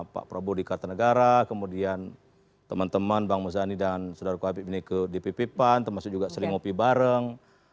pak prabowo di kartanegara kemudian teman teman bang muzani dan saudara kohabib ini ke dpp pan termasuk juga sering ngopi bareng